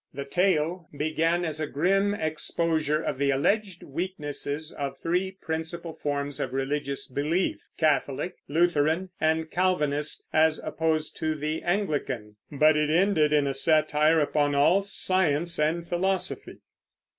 The Tale began as a grim exposure of the alleged weaknesses of three principal forms of religious belief, Catholic, Lutheran, and Calvinist, as opposed to the Anglican; but it ended in a satire upon all science and philosophy.